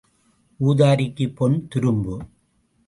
உதாரிக்குப் பொன் துரும்பு.